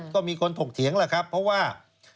ก็มีคนถกเถียงแหละครับเพราะว่า